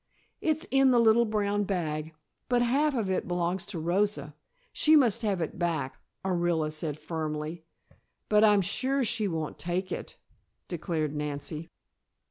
It's in the little brown bag, but half of it belongs to Rosa. She must have it back," Orilla said firmly. "But I'm sure she won't take it " declared Nancy.